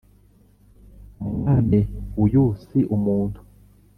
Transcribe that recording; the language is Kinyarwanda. umwami uyu si umuntu